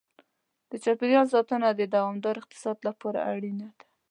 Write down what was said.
د چاپېریال ساتنه د دوامدار اقتصاد لپاره اړینه ده.